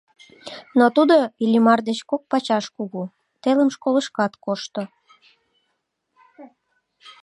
Но тудо Иллимар деч кок пачаш кугу, телым школышкат кошто.